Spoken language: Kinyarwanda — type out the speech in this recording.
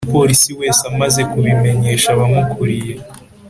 Umupolisi wese amaze kubimenyesha abamukuriye